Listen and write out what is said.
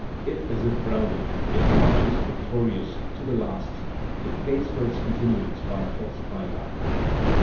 If, as in Browning, it marches victorious to the last, it pays for its continuance by falsifying life.